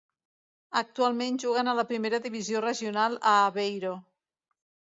Actualment juguen a la primera divisió regional a Aveiro.